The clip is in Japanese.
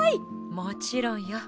もちろんよ。